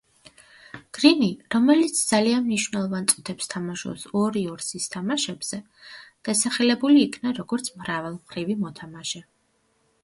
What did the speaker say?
გრინი, რომელიც ძალიან მნიშვნელოვან წუთებს თამაშობს უორიორსის თამაშებზე, დასახელებული იქნა როგორც მრავალმხრივი მოთამაშე.